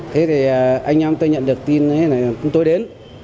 thế thì anh em tôi nhận được tin là chúng tôi đến